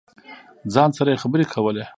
ځان سره یې خبرې کولې.